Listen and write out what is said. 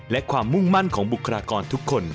และความมุ่งมั่นของบุคลากรทุกคน